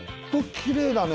きれいだね。